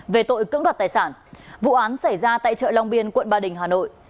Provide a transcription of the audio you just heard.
về tội cưỡng đoạt tài sản vụ án xảy ra tại chợ long biên quận ba đình hà nội